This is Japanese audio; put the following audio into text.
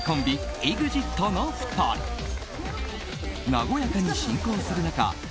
和やかに進行する中